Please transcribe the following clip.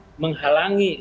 untuk menghalangi penyedikan